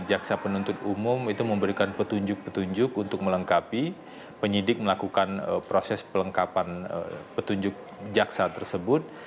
jaksa penuntut umum itu memberikan petunjuk petunjuk untuk melengkapi penyidik melakukan proses pelengkapan petunjuk jaksa tersebut